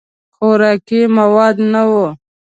خوراکي مواد نه وو.